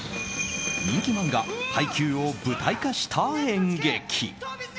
人気漫画「ハイキュー！！」を舞台化した演劇。